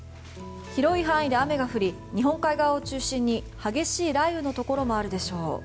広い範囲で雨が降り日本海側を中心に激しい雷雨のところもあるでしょう。